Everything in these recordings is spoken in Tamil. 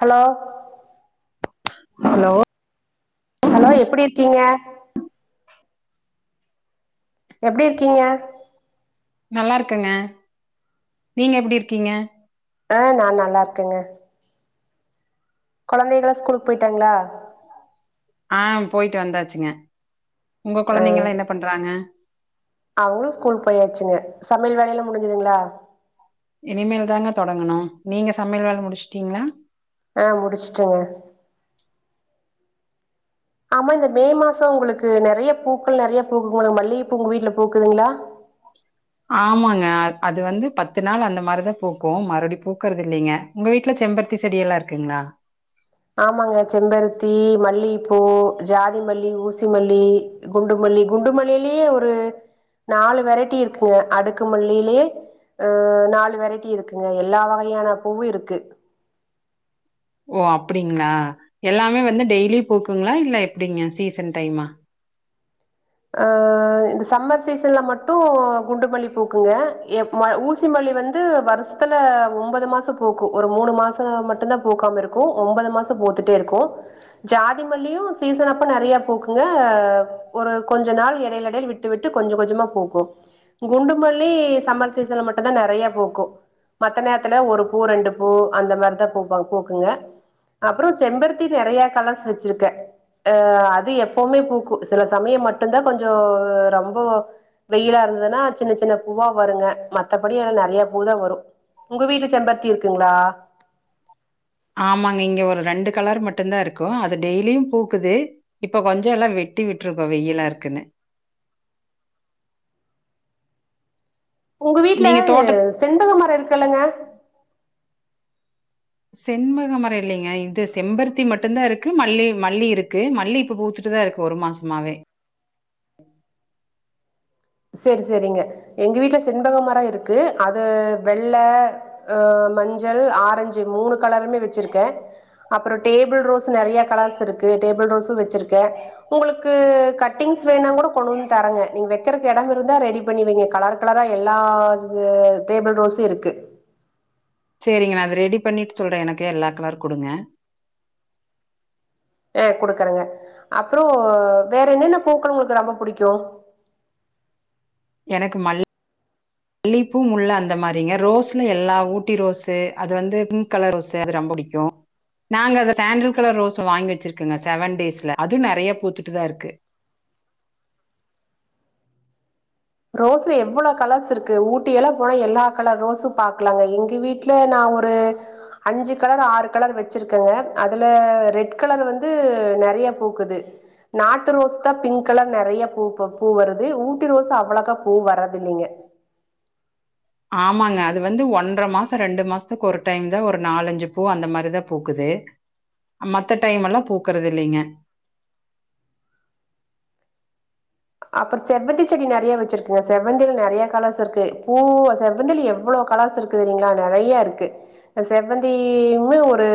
ஹலோ ஹலோ ஹலோ எப்டி இருக்கீங்க எப்டி இருக்கீங்க நல்லா இருக்கங்க நீங்க எப்டி இருக்கீங்க அ நா நல்லா இருக்கங்க கொழந்தைகல்லா ஸ்கூலுக்கு போயிட்டாங்களா ஆ போயிட்டு வந்தாச்சுங்க உங்க ஆ கொழந்தைங்கல்லா என்ன பண்றாங்க அவங்களு ஸ்கூல் போயாச்சுங்க சமையல் வேலையல்லா முடிஞ்சுதுங்களா இனிமேல் தாங்க தொடங்கணு நீங்க சமையல் வேல முடிச்சுட்டீங்களா ஆ முடிச்சுட்டங்க ஆமா இந்த மே மாசோ உங்களுக்கு நெறைய பூக்கள் நெறைய பூக்குமல்ல மல்லிகப்பூ உங்க வீட்டுல பூக்குதுங்களா ஆமாங்க அ அது வந்து பத்து நாள் அந்த மாரிதா பூக்கு மறுபடியு பூக்குறது இல்லைங்க உங்க வீட்டுல செம்பருத்தி செடி எல்லா இருக்குங்களா ஆமாங்க செம்பருத்தி மல்லிகைப்பூ ஜாதி மல்லி ஊசி மல்லி குண்டுமல்லி குண்டுமல்லிலேயே ஒரு நாலு வெரைட்டி இருக்குங்க அடுக்கு மல்லையிலயே அ நாலு வெரைட்டி இருக்குங்க எல்லா வகையான பூவு இருக்கு ஓ அப்டிங்களா எல்லாமே வந்து டெய்லி பூக்குங்களா இல்ல எப்டிங்க சீசன் டைமா ஆ இந்த சம்மர் சீசன்ல மட்டு குண்டுமல்லி பூக்குங்க எப் ஊசி மல்லி வந்து வருஷ த்துல ஒம்பது மாசோ பூக்கு ஒரு மூணு மாசோ மட்டு தா பூக்காம இருக்கு ஒம்பது மாசோ பூத்துட்டே இருக்கு ஜாதி மல்லியு சீசன் அப்ப நெறைய பூக்குங்க ஒரு கொஞ்ச நாள் எடையில எடையில் விட்டு விட்டு கொஞ்சோ கொஞ்சமா பூக்கு குண்டுமல்லி சம்மர் சீசன்ல மட்டும்தா நெறைய பூக்கு மத்த நேரத்துல ஒரு பூ ரெண்டு பூ அந்த மாதிரிதா பூப்பாங் பூக்குங்க அப்புறோ செம்பருத்தி நெறைய கலர்ஸ் வச்சிருக்கே அ அது எப்பவுமே பூக்கு சில சமய மட்டுதா கொஞ்சோ ரொம்போ வெயிலா இருந்ததுன்னா சின்ன சின்ன பூவா வருங்க மத்தபடி எல்லா நெறைய பூ தா வரு உங்க வீட்டுல செம்பர்த்தி இருக்குங்களா ஆமாங்க இங்க ஒரு ரெண்டு கலர் மட்டும்தா இருக்கு அது டெய்லியு பூக்குது இப்ப கொஞ்சோ எல்லா வெட்டி விட்டுருக்கோ வெயிலா இருக்குன்னு உங்க வீட்டுல நீங்க தோட்ட செண்பக மரோ இருக்கல்லங்க செண்மகமர இல்லைங்க இது செம்பருத்தி மட்டும்தா இருக்கு மல்லி மல்லி இருக்கு மல்லி இப்ப பூத்து து‌டுதா இருக்கு ஒரு மாசமாவே சேரி சேரிங்க எங்க வீட்டுல செண்பக மரோ இருக்கு அது வெள்ள அ மஞ்சள் ஆரஞ்சு மூணு கலருமே வச்சிருக்க அப்பறோ டேபிள் ரோஸ் நெறைய கலர்ஸ் இருக்கு டேபிள் ரோஸு வ்ச்சிருக்க உங்களுக்கு கட்டிங்ஸ் வேணா கூட கொண்டு வந்து தரங்க நீங்க வெக்கற இடம் இருந்தா ரெடி பண்ணி வைங்க கலர் கலரா எல்லா எ டேபிள் ரோஸு இருக்கு சேரிங்க நா அது ரெடி பண்ணிட்டு சொல்ற எனக்கு எல்லா கலர் குடுங்க ஆ குடுக்குறங்க அப்றோ வேற என்னென்ன பூக்கள் உங்களுக்கு ரொம்ப புடிக்கு எனக்கு மல் மல்லிப்பூ முள்ள அந்த மாரிங்க ரோஸ்லா எல்லா ஊட்டி ரோஸு அது வந்து ம் கலர் ரோசு அது ரொம்ப புடிக்கு நாங்க அத சாண்டில் கலர் ரோசு வாங்கி வச்சிருக்கங்க செவன் டேஸ்ல அது நெறைய பூத்துட்டு தா இருக்கு ரோஸ்ல எவ்ளோ கலர்ஸ் இருக்கு ஊட்டியெல்லா போனா எல்லா கலர் ரோஸு பாக்லாங்க எங்க வீட் ல நா ஒரு அஞ்சு கலர் ஆறு கலர் வச்சிருக்கங்க அதுல ரெட் கலர் வந்து நறைய பூக்குது நாட்டு ரோஸ் தா பிங்க் கலர் நறையா பூக்கும் பூ வருது ஊட்டி ரோஸ் அவ்ளோ கா பூ வர்றது இல்லைங்க ஆமாங்க அது வந்து ஒன்ற மாசம் ரெண்டு மாசத்துக்கு ஒரு டைம் தா ஒரு நாலஞ்சு பூ அந்த மாரிதா பூக்குது மத்த டைம்லா பூக்குறது இல்லைங்க அப்றோ செவ்வந்தி செடி நறையா வச்சிருக்குங்க செவ்வந்தில நறைய கலர்ஸ் இருக்கு பூ செவ்வந்தில எவ்ளோ கலர்ஸ் இருக் குதுங்ளா நறையா இருக்கு செவ்வந்திமே ஒரு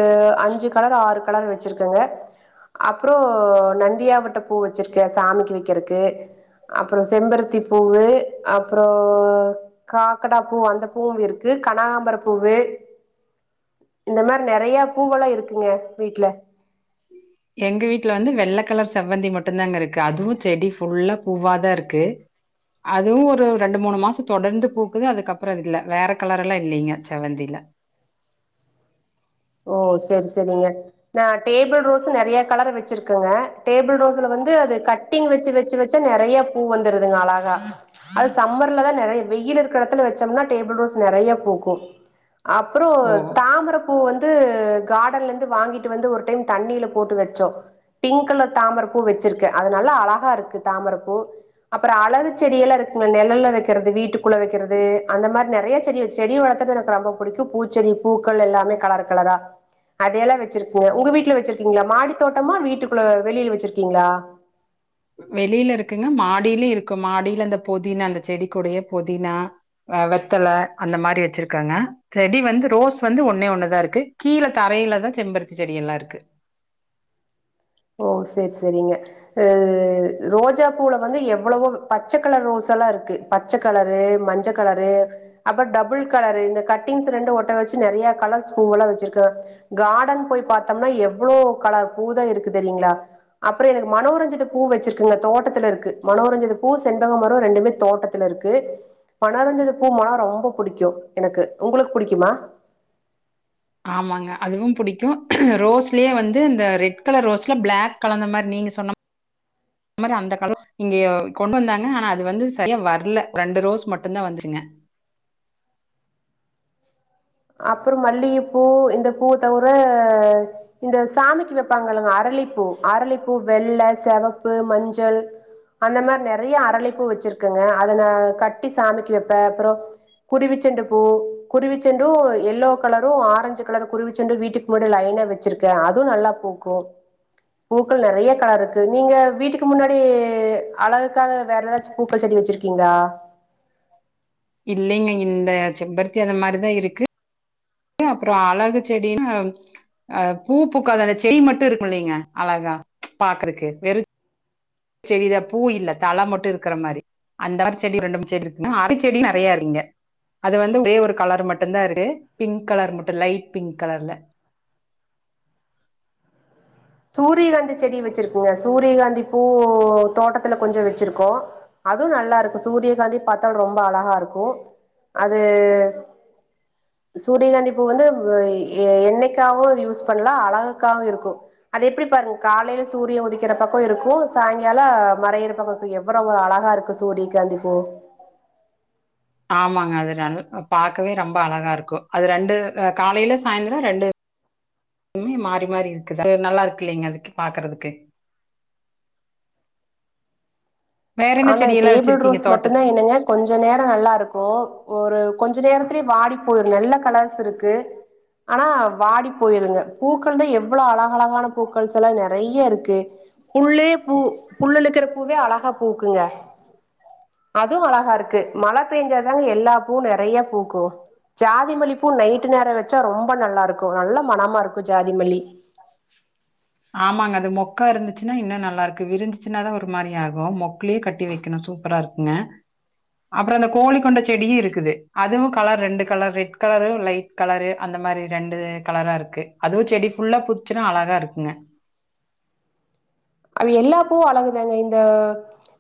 அஞ்சு கலர் ஆறு கலர் வச்சிருக்குங்க அப்றோ நந்தியாவட்ட பூ வச்சுருக்க சாமிக்கு வைக்கிறக்கு அப்றோ செம்பருத்தி பூவு அப்றோ காக்கட்டா பூ அந்த பூவும் இருக்கு கனகாம்பர பூவு இந்த மாரி நெறைய பூவெல்லா இருக்குங்க வீட்ல எங்க வீட்ல வந்து வெள்ள கலர் செவ்வந்தி மட்டு தாங்க இருக்கு அதுவு செடி ஃபுல்லா பூவா தா இருக்கு அதுவு ஒரு ரெண்டு மூணு மாசம் தொடர்ந்து பூக்குது அதுக்கப்றோ இல்ல வேற கலர் எல்லா இல்லைங்க செவந்தில ஓ சேர் செரிங்க நா டேபிள் ரோஸ்சு நறையா கலர் வச்சிருக்கங்க டேபிள் ரோஸ்ல வந்து அது கட் டிங் வச்சு வச்சு வச்சு நறையா பூ வந்துருதுங்க அழகா அது சம்மர்லதா நறையா வெயில் இருக்கிற இடத்துல வச்சோம்னா டேபிள் ரோஸ் நறையா பூக்கு அப்றோ ஓ! தாமர பூ வந் து கார்டன்ல இருந்து வாங்கிட்டு வந்து ஒரு டைம் தண்ணில போட்டு வச்சோ பிங்க் கலர் தாமரப்பூ வச்சிருக்க அது நல்லா அழகா இருக்கு தாமரப்பூ அப்றோ அழகு செடி எல்லா இருக்குங்க நெழல்ல வைக்கிறது வீட்டுக்குள்ள வக்கிறது அந்த மாரி நறையா செடி செடி வளர்க்கறது எனக்கு ரொம்ப புடிக்கு பூச்செடி பூக்கள் எல்லாமே கலர் கலரா அதெல்லா வச்சிருப்போ உங்க வீட்ல வச்சிருக்கீங்ளா மாடி தோட்டமா வீட்டுக்குள்ள வெளில் வச்சிருக் கீங்ளா வெளில இருக்குங்க மாடியிலியு இருக்கு மாடியில அந்த பொதினா அந்த செடிக்குடையே பொதினா வெத்தல அந்த மாரி வச்சிருக்கங்க செடி வந்து ரோஸ் வந்து ஒன்னே ஒண்ணுதா இருக்கு கீழ தரையில தா செம்பருத்தி செடி எல்லா இருக்கு ஓ சேர் செரிங்க அ ரோஜா பூல வந்து எவ்ளவோ பச்சக்கலர் ரோஸ் எல்லா இருக்கு பச்ச கலரு மஞ்ச கலரு அப்றோ டபுள் கலர் இந்த கட்டிங்ஸ் ரெண்டு ஒட்ட வச்சு நறைய கலர்ஸ் பூ எல்லா வச்சிருக்க கார்டன் போய் பார்த்தோம்னா எவ்ளோ கலர் பூ தா இருக் குது இல்லிங்ளா அப்றோ எனக்கு மனோரஞ்சித பூ வச்சிருக்கங்க தோட்டத்துல இருக் கு மனோரஞ்சித பூ செண்பக மரோ ரெண்டுமே தோட்டத்துல இருக்கு மனோரஞ்சித பூ மணோ ரொம்ப புடிக்கு எனக்கு உங்களுக்கு புடிக்குமா ஆமாங்க அதுவு புடிக்கு ரோஸ்லயே வந்து இந்த ரெட் கலர் ரோஸ்ல பிளாக் கலந்த மாரி நீங்க சொன்ன அந்த மாரி அந்த கலர் இங்க கொண்டு வந்தாங்க ஆனா அது வந்து சரியா வரல ரெண்டு ரோஸ் மட்டுந்தா வந்துச்சிங்க அப்பறோ மல்லிகைப்பூ இந்த பூவ தவிர இந்த சாமிக்கு வைப்பாங்க இல்லங்க அரளிப்பூ அரளிப்பூ வெள்ள, செவப்பு, மஞ்சள் அந்த மாரி நெறைய அரளிப்பூ வச்சிருக்கங்க அத நா கட்டி சாமிக்கு வைப்ப அப்பறோ குருவிச்செண்டுப்பூ குருவிச்செண்டு எல்லோ கலரும் ஆரஞ்சு கலரு குருவிச் செண்டு வீட்டுக்கு முன்னடி லைன்னா வெச்சிருக்கே அதுவு நல்லா பூக்கு பூக்கள் நறைய கலர் இருக்கு நீங்க வீட்டுக்கு முன்னாடி அழகுக்காக வேற ஏதாச் சு பூக்கள் செடி வச்சிருக்கீங்ளா இல்லைங்க இந்த செம்பருத்தி அந்த மாரிதா இருக்கு அப்பறோ அழகு செடினா அ பூ பூக்காத அந்த செடி மட்டு இருக்கு இல்லலைங்க அழகா பாக்குறக்கு வெறு செடிதா பூ இல்ல தழை மட்டு இருக்கற மாரி அந்தமாரி செடி ரெண்டு மூணு செடி இருக்குங்க அரளிச்செடியு நறையா இருக்குங்க அது வந்து ஒரே ஒரு கலர் மட்டுந்தா இருக்கு பிங்க் கலர் மட்டும் லைட் பிங்க் கலர்ல சூரியகாந்தி செடி வச்சிருக்குங்க சூரியகாந்தி பூ தோட்டத்துல கொஞ்சோ வச்சிருக்கோ அதுவு நல்லா இருக்கு சூரியகாந்தி பாத்தாலு ரொம்ப அழகா இருக்கு அது சூரியகாந்திப்பூ வந்து எ எண்ணைக்காவு அது யூஸ் பண்ணலா அழகுக்காவு இருக்கு, அது எப்டி பாருங்க காலையில சூரிய உதிக்கிற பக்கோ இருக்கு சாயங்கால மறையிர பக்கோ எவ்வர ஒரு அழகா இருக்கு சூரிய காந்திப் பூ ஆமாங்க அது நல் பாக்கவே ரொம்ப அழகா இருக்கு, அது ரெண்டு காலையில சாய்ந்தர ரெண்டு மே மாறி மாறி இருக்கு அது நல்லா இருக்கு இல்லலைங்க அதுக்கு பாக்குறதுக்கு வேற என்ன ஆனா செடியெல்லா டேபிள் வச்சிருக்கீங்க ரோஸ் மட்டுந்தா தோட்டத்துல என்னங்க கொஞ்ச நேர நல்லா இருக்கு ஒரு கொஞ்ச நேரத்துலயே வாடி போயிரு நல்ல கலர்ஸ் இருக்கு ஆனா வாடி போயிருங்க பூக்கள்தா எவ்வளோ அழகு அழகான பூக்கள்ஸ் எல்லா நெறைய இருக்கு புல்லே பூ புல்லுல இருக்கற பூவே அழகா பூக்குங்க அதுவு அழகா இருக்கு மழ பேஞ்சாதாங்க எல்லா பூவு நெறைய பூக்கு ஜாதி மல்லி பூ நைட்டு நேர வச்சா ரொம்ப நல்லா இருக்கு நல்ல மனமா இருக்கு ஜாதி மல்லி ஆமாங்க அது மொக்கா இருந்துச்சுனா இன்னு நல்லா இருக்கு விரிஞ்சிச்சுனாதா ஒரு மாரி ஆகு மெக் குலயே கட்டி வைக்கணு சூப்பரா இருக்கு ங்க அப்பறோ அந்த கோழி கொண்ட செடியு இருக்குது அதுவு கலர் ரெண்டு colour red colour light colour அந்த மாரி ரெண்டு கலரா இருக்கு அதுவு செடி ஃபுல்லா பூத்துச்சின்னா அழகா இருக்குங்க ஆ எல்லாப்பூவு அழகுதாங்க இந்த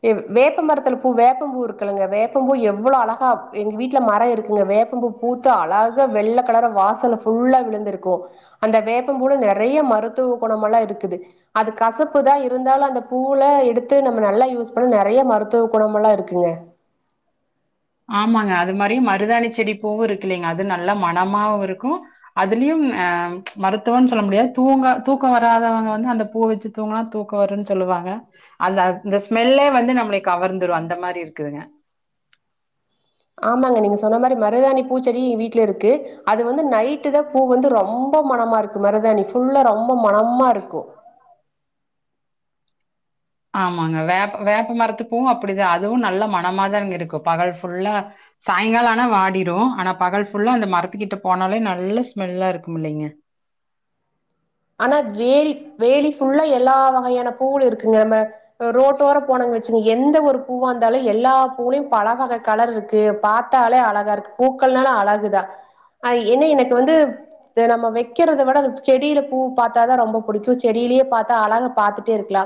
வே வேப்ப மரத்துல பூ வேப்பம் பூ இருக்கலங்க வேப்பம்பூ எவ்வளோ அழகா எங்க வீட்ல மரம் இருக்குதுங்க வேப்பம் பூ பூத்து அழகா வெள்ள கலர வாசல்ல ஃபுல்லா விழுந்துருக்கு அந்த வேப்பம்பூவுல நெறைய மருத்துவ குணம் எல்லா இருக்குது அது கசப் ப்புதா இருந்தாலு அந்த பூவுலா எடுத்து நம்ம நல்லா யூஸ் பண்ண நெறைய மருத்துவ குணமல்லா இருக்குங்க ஆமாங்க அது மாரி மருதாணிச்செடி பூவு இருக்குல்லைங்க அது நல்லா மனமாவு இருக்கு அதுலயு அ மருத்துவனு சொல்ல முடியாது தூங்க தூக்கம் வராதவங்க வந்து அந்த பூ வச்சு தூங்கனா தூக்க வரும்ன்னு சொல்லுவாங்க அந்த அந்த ஸ்மெல்லே வந்து நம்மளை கவர்ந்துரு அந்த மாரி இருக்குதுங்க ஆமாங்க நீங்க சொன்ன மாதிரி மருதாணி பூச்செடி எங்க வீட்ல இருக்கு அது வந்து நைட்டு தா பூ வந்து ரொம்ப மனமா இருக்கு மருதாணி புல்லா ரொம்ப மனமா இருக்கும் ஆமாங்க வேப்ப வேப்ப மரத்துப்பூவும் அப்படிதா அதுவும் நல்ல மனமாதாங்க இருக்கு பகல் ஃபுல்லா சாயங்காலோ ஆனா வாடிடும் ஆனா பகல் ஃபுல்லா அந்த மரத்துக்கிட்ட போனாலே நல்ல ஸ்மெல்லா இருக்கும் இல்லைங்க ஆனா வேலி வேலி ஃபுல்லா எல்லா வகையான பூவுள் இருக்குங்க நம்ம ரோட்டோரோ போனோன் வச்சு எந்த ஒரு பூவா இருந்தாலும் எல்லா பூவுலயு பலவக கலர் இருக்கு பாத்தாலே அழகா இருக்கு பூக்கள்னால அழகுதா என்ன எனக்கு வந்து நம்ம வைக்கிறத விட அது செடியில பூ பாத்தாதா ரொம்ப பிடிக்கும் செடியிலேயே பாத்தா அழக பாத்துட்டே இருக்கலா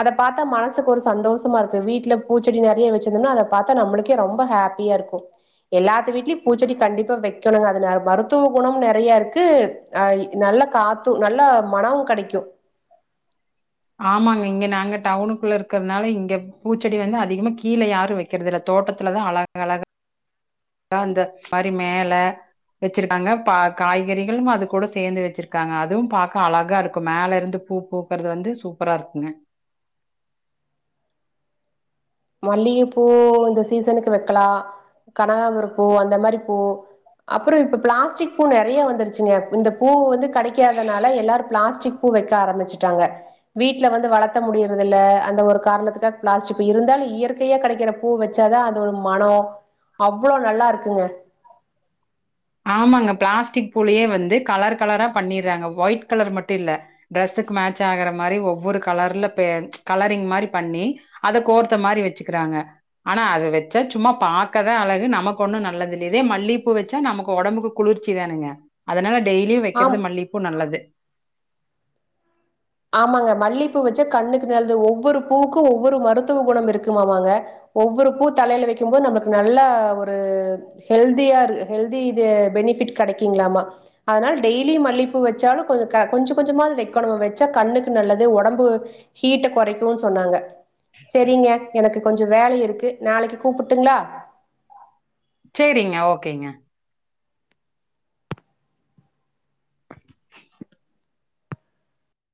அத பாத்தா மனசுக்கு ஒரு சந்தோஷமா இருக்கு வீட்டுல பூச்செடி நிறைய வச்சிருந்தோன்னா அத பாத்தா நம்மளுக்கே ரொம்ப ஹேப் பியா இருக்கும் எல்லாத்து வீட்டு லயும் பூச்செடி கண்டிப்பா வைக்கணுங்க அதுல மருத்துவ குணம் நெறைய இருக்கு நல்ல காத்து நல்லா மனமும் கடைக்கும் ஆமாங்க இங்க நாங்க டவுனுக்குள்ள இருக்கறனால இங்க பூச்செடி வந்து அதிகமா கீழ யாரும் வைக்க கறதில்ல தோட்டத்தில தா அழக் அழகா கா அந்த மாரி மேல வச்சிருக்காங்க பா காய்கறிகளும் அது கூட சேந்து வச்சிருக்காங்க அதுவும் பாக்க அழகா இருக்கும் மேல இருந்து பூ பூக்கறது வந்து சூப்பரா இருக்குங்க மல்லியப்பூ இந்த சீசனுக்கு வைக்கலா கனகாம்பரப்பூ அந்த மாரி பூ அப்றோ இப்ப பிளாஸ்டிக் பூ நெறைய வந்துருச்சுங்க இந்த பூ வந்து கடைக்காதனால எல்லாரு பிளாஸ்டிக் பூவைக்க ஆரம்பிச்சுட்டாங்க வீட்டுல வந்து வளத்த முடியறதில்ல அந்த ஒரு காரணத்துக்கா பிளாஸ்டிக் பூ இருந்தாலு இயற்கையா கடைக்கிற பூ வச்சாதா அது ஒரு மனோ அவ்ளோ நல்லா இருக்குங்க ஆமாங்க பிளாஸ்டிக் பூலயே வந்து கலர் கலரா பண்ணிறாங்க ஒயிட் கலர் மட்டும் இல்ல ட்ரெஸ்ஸுக்கு மேட்ச் ஆகுற மாரி ஒவ்வொரு கலர்ல பே கலரிங் மாரி பண்ணி அத கோர்த்த மாரி வச்சுக்கிறாங்க ஆனா அது வச்சா சும்மா பாக்கதா அழகு நமக்கு ஒண்ணு நல்லது இல்ல இதே மல்லியப்பூ வச்சா நமக்கு இப்ப ஒடம்புக்கு குளிர்ச்சி தானுங்க அதனால டெய்லியும் ஆம் வைக்கறது மல்லியப்பூ நல்லது ஆமாங்க மல்லிப்பூ வச்சா கண்ணுக்கு நல்லது ஒவ்வொரு பூக்கும் ஒவ்வொரு மருத்துவ குணம் இருக்குமாமாங்க ஒவ்வொரு பூ தலையில வைக்கும்போது நம்மளுக்கு நல்லா ஒரு ஹெல்தியா இருக்கு ஹெல்தி இது பெனிபிட் கெடைக்கங்களாமா அதனால டெய்லி மல்லிப்பூ வச்சாலும் கொஞ்சோ கொஞ்ச கொஞ்சமாவது வைக்கணு வச் வச்சா கண்ணுக்கு நல்லது ஒடம்பு ஹீட்ட கொறைக்குன்னு சொன்னாங்க சரிங்க எனக்கு கொஞ்சோ வேலை இருக்கு நாளைக்கு கூப்பிட்டுங்களா சேரிங்க ஓகேங்க